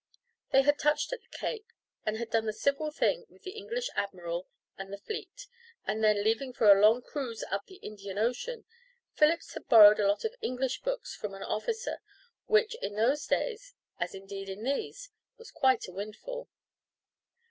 They had touched at the Cape, and had done the civil thing with the English Admiral and the fleet, and then, leaving for a long cruise up the Indian Ocean, Phillips had borrowed a lot of English books from an officer, which, in those days, as indeed in these, was quite a windfall.